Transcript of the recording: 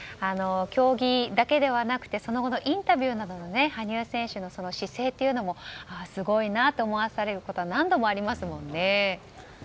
競技だけではなくそのごのインタビューなどでの羽生選手の姿勢というのもすごいなと思わされることが何度もありますもんね。